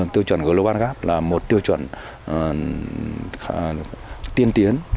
tiêu chuẩn của novograt là một tiêu chuẩn tiên tiến